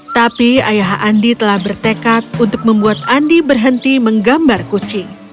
tapi ayah andi telah bertekad untuk membuat andi berhenti menggambar kucing